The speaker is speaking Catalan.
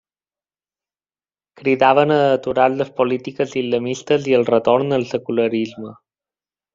Cridaven a aturar les polítiques islamistes i al retorn al secularisme.